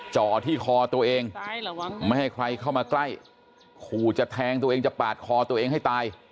จ่อที่คอตัวเองไม่ให้ใครเข้ามาใกล้ขู่จะแทงตัวเองจะปาดคอตัวเองให้ตาย